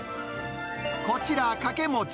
こちら、かけ餅。